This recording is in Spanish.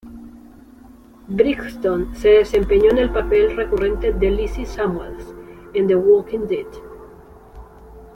Brighton se desempeñó en el papel recurrente de Lizzie Samuels en The Walking Dead.